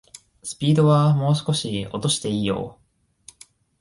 スピードはもう少し落としていいよ